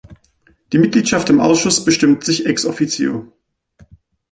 Die Mitgliedschaft im Ausschuss bestimmt sich ex officio.